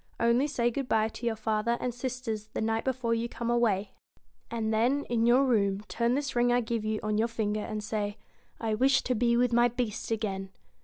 Only say good bye to your father and sisters the night before you come away, and then, in your room, turn this ring I give you on your finger, and say :" I wish to be with my Beast again."